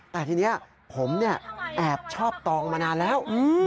แต่ทีนี้ผมแอบชอบตองมานานแล้ว